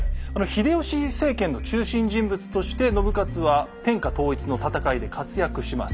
秀吉政権の中心人物として信雄は天下統一の戦いで活躍します。